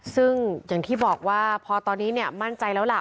ซึ่งอย่างที่บอกว่าพอตอนนี้มั่นใจแล้วล่ะ